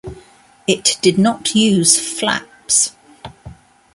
It did not use flaps.